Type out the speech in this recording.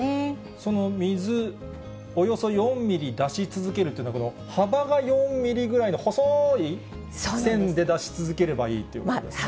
その水、およそ４ミリ出し続けるっていうのは、この幅が４ミリぐらいの細い線で出し続ければいいってことですね。